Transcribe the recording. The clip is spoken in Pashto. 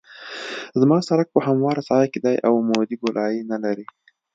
زما سرک په همواره ساحه کې دی او عمودي ګولایي نلري